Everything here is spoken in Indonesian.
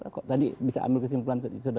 kok tadi bisa ambil kesimpulan sudah benar